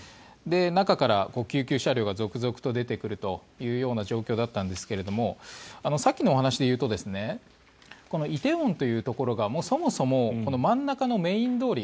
中から救急車両が続々と出てくるという状況だったんですがさっきのお話でいうと梨泰院というところがもうそもそも真ん中のメイン通り